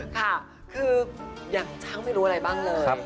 ค่ะคืออย่างช้างไม่รู้อะไรบ้างเลย